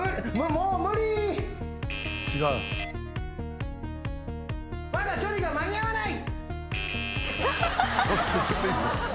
「もう無理だ」「処理が間に合わない」